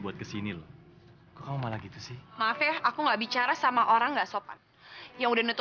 regisi bersama sama yang paling y xemahasih yang ada theme of drinks dan baadatory com